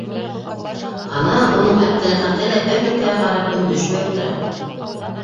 Ана, уның Әптеләхәте лә бер нөктәгә ҡарап өндәшмәй ултыра.